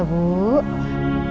ibu pasti bisa